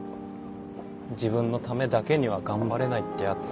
自分のためだけには頑張れないってやつ。